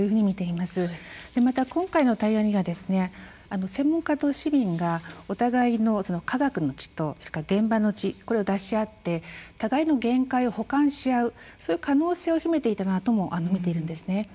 また今回の対話にはですね専門家と市民がお互いの科学の知と現場の知これを出し合って互いの限界を補完し合うそういう可能性を秘めていたなとも見ているんですね。